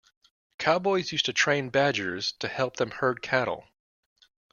Cowboys used to train badgers to help them herd cattle.